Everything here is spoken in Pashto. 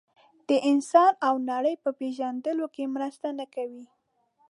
د انسان او نړۍ په پېژندلو کې مرسته نه کوي.